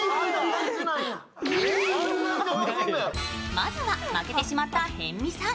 まずは負けてしまった辺見さん。